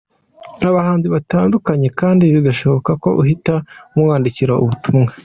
abahanzi batandukanye kandi bigashoboka ko uhita umwandikira ubutumwa.